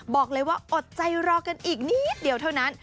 บอกเลยว่าอดใจรอกันอีกนิดเดียวเท่านั้น